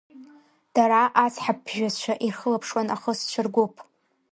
Дара ацҳаԥжәацәа ирхылаԥшуан ахысцәа ргәыԥ.